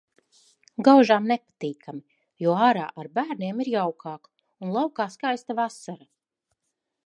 Gaužām nepatīkami, jo ārā ar bērniem ir jaukāk un laukā skaista vasara.